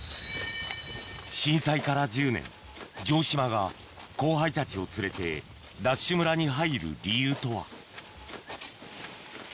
震災から１０年城島が後輩たちを連れてＤＡＳＨ村に入る理由とは？